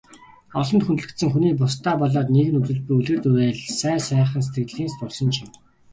Олонд хүндлэгдсэн хүний бусдадаа болоод нийгэмд үзүүлж буй үлгэр дуурайл, сайхан сэтгэлийн тусламж юм.